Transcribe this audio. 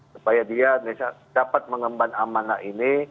supaya dia dapat mengemban amanah ini